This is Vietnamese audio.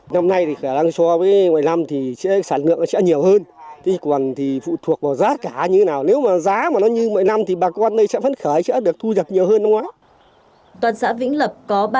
toàn xã vĩnh lập có ba trăm hai mươi bảy hectare vải sớm với nhiều loại giống vải sớm được trồng theo tiêu chuẩn về gáp